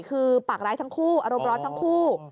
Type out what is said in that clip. คือปากร้ายทั้งคู่อารมณ์ร้อนทั้งคู่